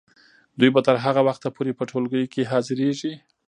دوی به تر هغه وخته پورې په ټولګیو کې حاضریږي.